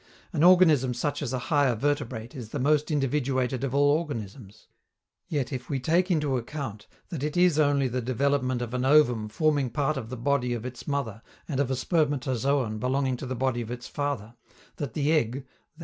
An organism such as a higher vertebrate is the most individuated of all organisms; yet, if we take into account that it is only the development of an ovum forming part of the body of its mother and of a spermatozoon belonging to the body of its father, that the egg (_i.